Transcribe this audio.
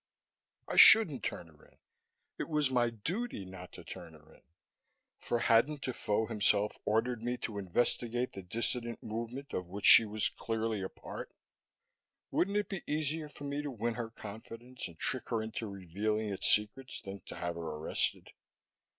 I shouldn't turn her in. It was my duty not to turn her in, for hadn't Defoe himself ordered me to investigate the dissident movement of which she was clearly a part? Wouldn't it be easier for me to win her confidence, and trick her into revealing its secrets, than to have her arrested?